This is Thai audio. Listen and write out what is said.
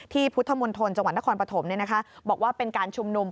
พุทธมณฑลจังหวัดนครปฐมบอกว่าเป็นการชุมนุม